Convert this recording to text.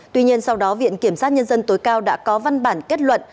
tuy nhiên sau đó viện kiểm sát nhân dân tối cao đã có văn bản kết luận